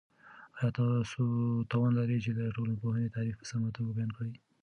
آیا تاسو توان لرئ چې د ټولنپوهنې تعریف په سمه توګه بیان کړئ؟